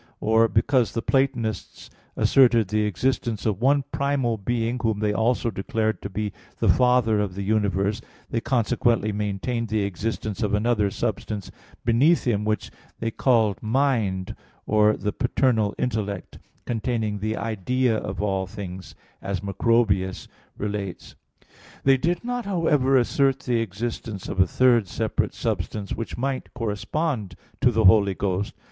1); or, because the Platonists asserted the existence of one Primal Being whom they also declared to be the father of the universe, they consequently maintained the existence of another substance beneath him, which they called "mind" or the "paternal intellect," containing the idea of all things, as Macrobius relates (Som. Scip. iv). They did not, however, assert the existence of a third separate substance which might correspond to the Holy Ghost.